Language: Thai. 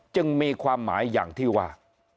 จึงมีความหมายอย่างที่ว่า